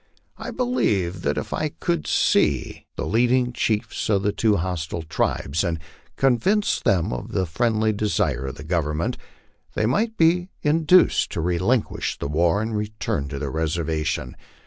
I believed that if I could see the leading chiefs of the two hostile tribes and convince them of the friendly desire of the Government, they might be in duced to relinquish the war and return to their reservation.